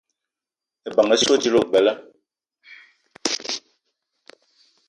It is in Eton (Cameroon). Ebeng essoe dila ogbela